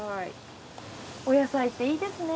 お野菜っていいですね。